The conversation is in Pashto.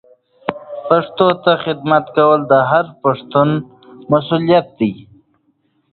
پښتو ته خدمت کول د هر پښتون مسولیت دی.